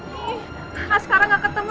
ini khas sekarang gak ketemu